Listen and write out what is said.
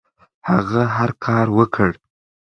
هغه هر کار وکړ.